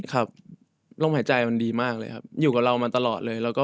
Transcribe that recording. ครับลมหายใจมันดีมากเลยครับอยู่กับเรามาตลอดเลย